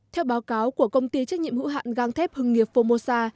theo báo cáo của công ty trách nhiệm hữu hạn gang thép hưng nghiệp formosa